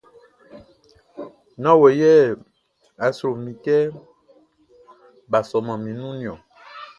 Nán wɔ yɛ a sro mi kɛ bʼa sɔman mi nunʼn niɔn.